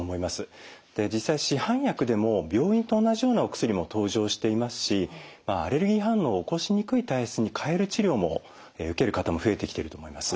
実際市販薬でも病院と同じようなお薬も登場していますしアレルギー反応を起こしにくい体質に変える治療も受ける方も増えてきていると思います。